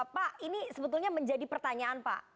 tapi sebetulnya menjadi pertanyaan pak